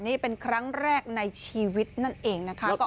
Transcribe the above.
นี่เป็นครั้งแรกในชีวิตนั่นเองนะคะ